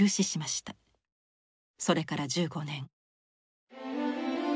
それから１５年。